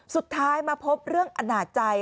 สุดท้ายมาพบเรื่องอนาจใจ